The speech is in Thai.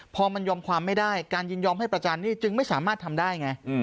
พอมันยอมความไม่ได้การยินยอมให้ประจานหนี้จึงไม่สามารถทำได้ไง